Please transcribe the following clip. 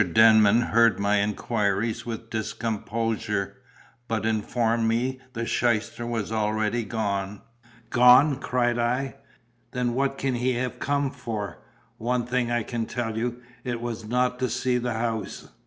Denman heard my inquiries with discomposure, but informed me the shyster was already gone. "Gone?" cried I. "Then what can he have come for? One thing I can tell you, it was not to see the house."